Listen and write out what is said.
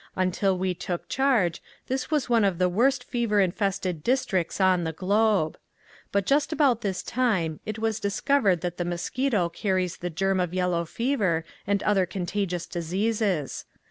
Until we took charge this was one of the worst fever infested districts on the globe. But just about this time it was discovered that the mosquito carries the germ of yellow fever and other contagious diseases.